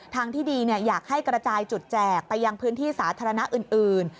ทางที่ดีอยากให้กระจายจุดแจกไปยังพื้นที่สาธารณะอื่น